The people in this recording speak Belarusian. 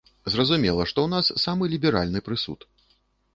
Зразумела, што ў нас самы ліберальны прысуд.